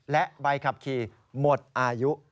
และใบขับขี่หมดอายุ